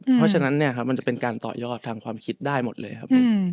เพราะฉะนั้นเนี่ยครับมันจะเป็นการต่อยอดทางความคิดได้หมดเลยครับ